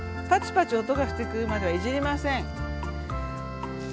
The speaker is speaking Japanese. パチパチ音がしてくるまではいじりません。